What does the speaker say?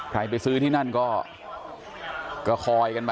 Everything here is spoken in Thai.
ไปซื้อที่นั่นก็คอยกันมา